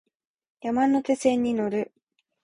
山手線に乗る